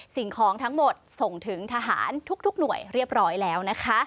สิ่งของทั้งหมดส่งถึงทหารทุกหน่วยเรียบร้อยแล้วนะคะ